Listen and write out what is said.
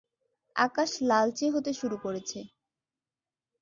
আকাশ লালচে হতে শুরু করেছে।